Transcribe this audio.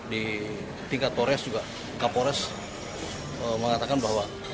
di tingkat polres juga kapolres mengatakan bahwa